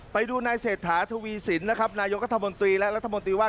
ไปดูนายสถาทวีสินนายกตามนตรีและ